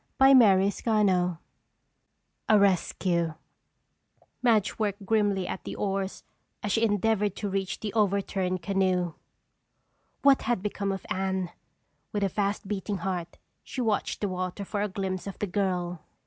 CHAPTER II A Rescue Madge worked grimly at the oars as she endeavored to reach the overturned canoe. What had become of Anne? With a fast beating heart, she watched the water for a glimpse of the girl.